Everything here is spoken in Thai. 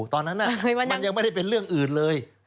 ตอนนั้นมันยังไม่ได้เป็นเรื่องอื่นเลย